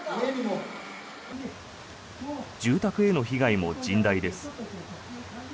住宅への被害も甚大です。